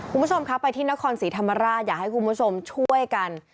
คุณผู้ชมครับไปที่นครศรีธรรมราชอยากให้คุณผู้ชมช่วยกัน